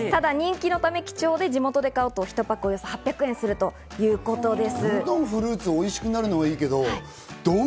ただ人気のため貴重で地元で買うと１パックおよそ８００円するということです。